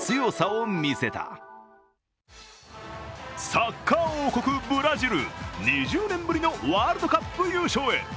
サッカー王国・ブラジル、２０年ぶりのワールドカップ優勝へ。